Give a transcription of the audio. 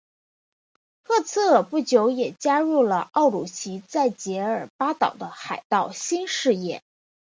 赫兹尔不久也加入了奥鲁奇在杰尔巴岛的海盗新事业。